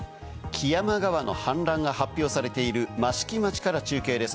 木山川の氾濫が発表されている益城町から中継です。